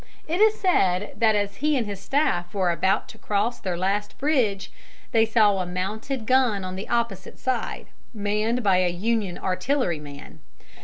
It is said that as he and his staff were about to cross their last bridge they saw a mounted gun on the opposite side, manned by a Union artilleryman.